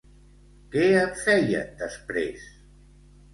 Què en feien després?